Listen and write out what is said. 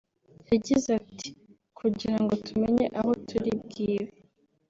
yagize ati “Kugira ngo tumenye aho turi bwibe